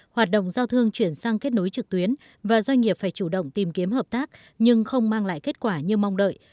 hoạt động giao thương chuyển sang kết nối trực tuyến và doanh nghiệp phải chủ động tìm kiếm hợp tác nhưng không mang lại kết quả như mong đợi